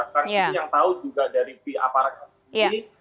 karena saya yang tahu juga dari pihak aparat sendiri